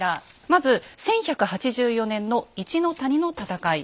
まず１１８４年の一の谷の戦い。